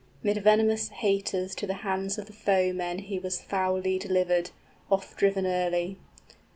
'Mid venomous haters To the hands of foemen he was foully delivered, Offdriven early.